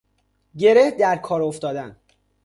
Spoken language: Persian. گره در کار افتادن